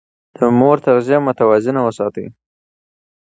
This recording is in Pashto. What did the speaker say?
د مور تغذيه متوازنه وساتئ.